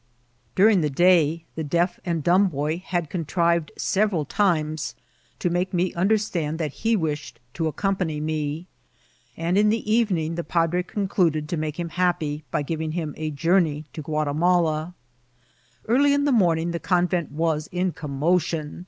Ikiring the day, the deaf and dumb boy had con trived several times to make me mulerstanl that he wished to accompany me, and in the ev^iing the padre concluded to make him happy by giving him a jonmey to Ouatimaku Early in the morning the convent was in ccnnmotion.